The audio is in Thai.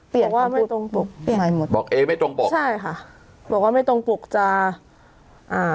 บอกว่าไม่ตรงปกบอกเอไม่ตรงปกใช่ค่ะบอกว่าไม่ตรงปกจะอ่า